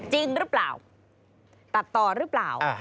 จริงหรือเปล่าตัดต่อหรือเปล่า